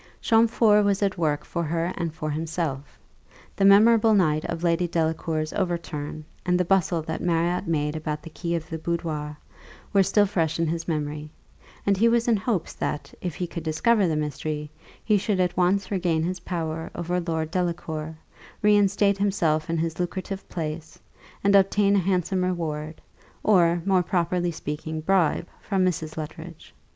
Champfort was at work for her and for himself. The memorable night of Lady Delacour's overturn, and the bustle that Marriott made about the key of the boudoir, were still fresh in his memory; and he was in hopes that, if he could discover the mystery, he should at once regain his power over Lord Delacour, reinstate himself in his lucrative place, and obtain a handsome reward, or, more properly speaking, bribe, from Mrs. Luttridge.